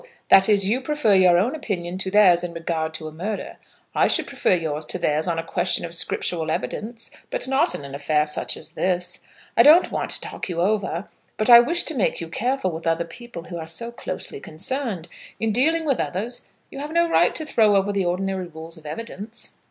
That is, you prefer your own opinion to theirs in regard to a murder. I should prefer yours to theirs on a question of scriptural evidence, but not in such an affair as this. I don't want to talk you over, but I wish to make you careful with other people who are so closely concerned. In dealing with others you have no right to throw over the ordinary rules of evidence."